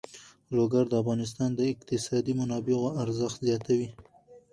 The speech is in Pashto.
لوگر د افغانستان د اقتصادي منابعو ارزښت زیاتوي.